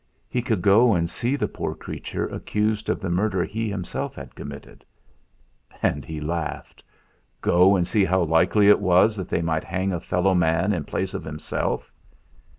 He could go and see the poor creature accused of the murder he himself had committed! And he laughed. Go and see how likely it was that they might hang a fellow man in place of himself?